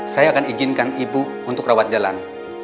saya akan izinkan ibu untuk rawat jalan